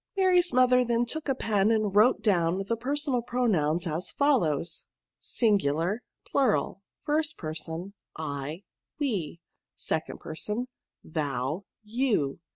Mary's mother then took a pen, and wrote down the personal pronouns, as follows :— Singular. Plural. First Person, I, We. Second Person, Thou, You.